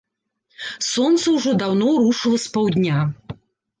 Сонца ўжо даўно рушыла з паўдня.